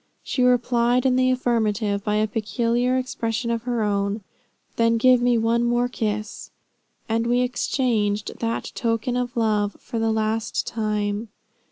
She replied in the affirmative, by a peculiar expression of her own. 'Then give me one more kiss;' and we exchanged that token of love for the last time.